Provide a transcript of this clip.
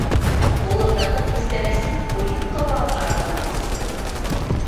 Ҡулындағы күстәнәсе ҡуйы ҡыуаҡ араһына осто.